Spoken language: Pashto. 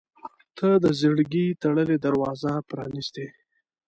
• ته د زړګي تړلې دروازه پرانستې.